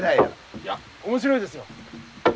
いや面白いですよ。